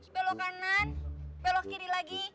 pelok kanan pelok kiri lagi